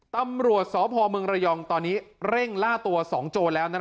ตำรวจสพมรยองต่อนี้เร่งลาตัว๒โจรแล้ว